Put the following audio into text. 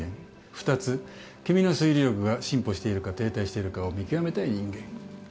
二つ君の推理力が進歩しているか停滞しているかを見極めたい人間。